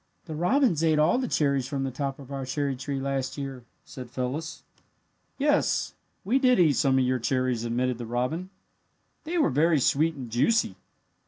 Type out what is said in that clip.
"The robins ate all the cherries from the top of our cherry tree last year," said Phyllis. "Yes, we did eat some of your cherries," admitted the robin. "They were very sweet and juicy.